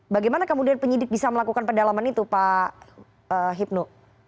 bagaimana kemudian penyidik bisa melakukan pendalaman itu pak hipnu